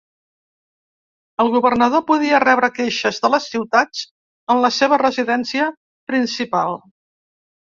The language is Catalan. El governador podia rebre queixes de les ciutats en la seva residència principal.